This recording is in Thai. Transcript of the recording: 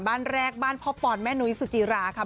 บ้านแรกบ้านพ่อปอนแม่นุ้ยสุจิราค่ะ